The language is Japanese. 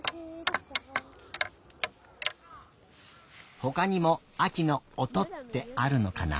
ほかにもあきの「おと」ってあるのかな。